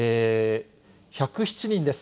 １０７人です。